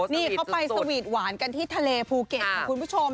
นี่เขาไปสวีทหวานกันที่ทะเลภูเก็ตค่ะคุณผู้ชม